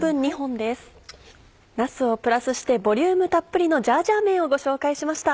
なすをプラスしてボリュームたっぷりのジャージャー麺をご紹介しました。